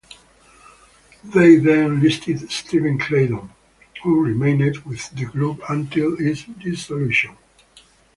They then enlisted Steven Claydon who remained with the group until its dissolution.